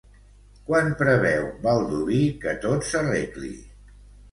Quan preveu Baldoví que tot s'arregli?